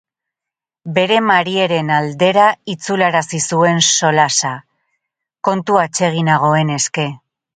Bere Marieren aldera itzularazi zuen solasa, kontu atseginagoen eske.